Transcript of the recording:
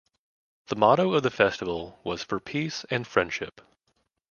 The motto of the festival was For Peace and Friendship.